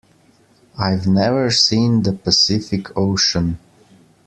I've never seen the Pacific Ocean.